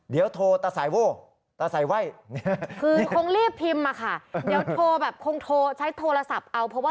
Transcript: เดี๋ยวโทรแบบคงโทรใช้โทรศัพท์เอาเพราะว่า